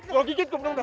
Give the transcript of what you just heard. gw gigit ke benung nih